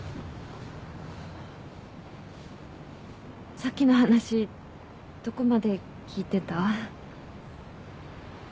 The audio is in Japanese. さっきの話どこまで聞いてた？